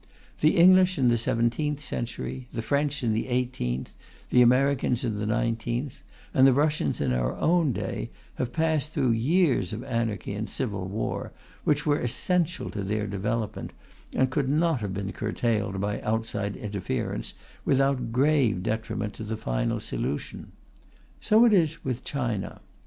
The English in the seventeenth century, the French in the eighteenth, the Americans in the nineteenth, and the Russians in our own day, have passed through years of anarchy and civil war, which were essential to their development, and could not have been curtailed by outside interference without grave detriment to the final solution. So it is with China.